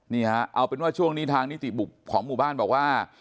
นี่ฮะเอาเป็นว่าช่วงนี้ทางนิติของหมู่บ้านบอกว่า